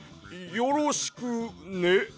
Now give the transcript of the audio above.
よろしくね。